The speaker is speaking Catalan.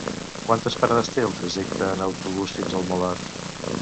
Quantes parades té el trajecte en autobús fins al Molar?